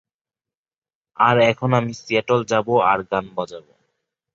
আর এখন আমি সিয়াটল যাবো আর গান বাজাবো।